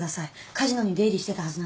カジノに出入りしてたはずなんです。